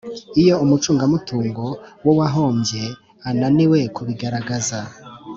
Iyo umucungamutungo w uwahombye ananiwe kubigaragaza